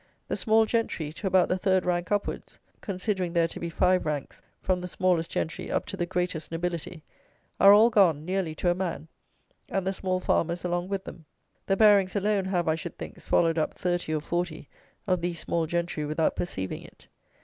The small gentry, to about the third rank upwards (considering there to be five ranks from the smallest gentry up to the greatest nobility), are all gone, nearly to a man, and the small farmers along with them. The Barings alone have, I should think, swallowed up thirty or forty of these small gentry without perceiving it.